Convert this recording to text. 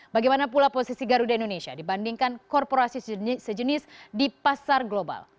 bagaimana pula posisi garuda indonesia dibandingkan korporasi sejenis di pasar global